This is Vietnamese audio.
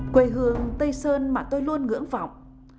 quê hương tây sơn mà tôi luôn ngưỡng vọng